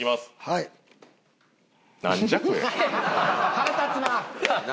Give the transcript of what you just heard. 腹立つなあ！